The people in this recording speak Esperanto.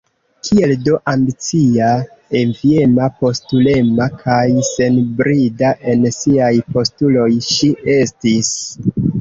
Kiel do ambicia, enviema, postulema kaj senbrida en siaj postuloj ŝi estis!